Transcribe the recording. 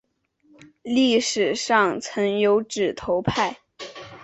历史上曾有指头派。